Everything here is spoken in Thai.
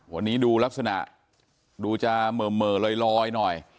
วันนี้ดูลักษณะดูจะเหม่อลอยหน่อย